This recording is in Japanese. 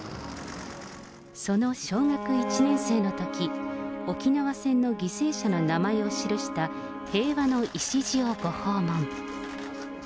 その小学１年生のとき、沖縄戦の犠牲者の名前を記した平和の礎をご訪問。